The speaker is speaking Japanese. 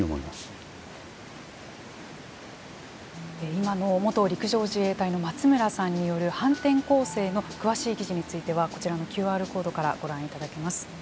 今の元陸上自衛隊の松村さんの反転攻勢の詳しい記事についてはこちらのＱＲコードからご覧いただけます。